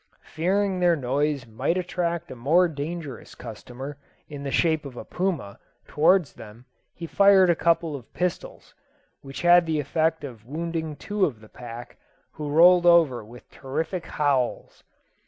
Fearing their noise might attract a more dangerous customer, in the shape of a puma, towards them, he fired a couple of pistols, which had the effect of wounding two of the pack, who rolled over with terrific howls.